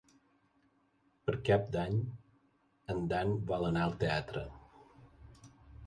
Per Cap d'Any en Dan vol anar al teatre.